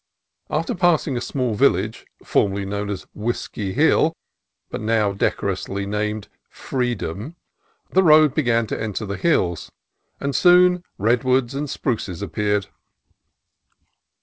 After passing a small village formerly known as "Whiskey Hill," but now decorously named "Free dom," the road began to enter the hills, and soon redwoods and spruces appeared.